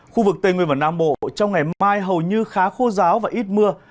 khu vực tây nguyên và nam bộ trong ngày mai hầu như khá khô giáo và ít mưa